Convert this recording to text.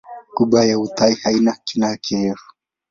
Ghuba ya Uthai haina kina kirefu.